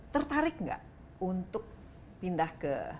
tertarik nggak untuk pindah ke